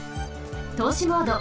とうしモード。